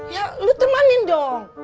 ya lu temenin dong